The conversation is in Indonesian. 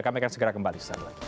kami akan segera kembali